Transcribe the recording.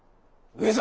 上様！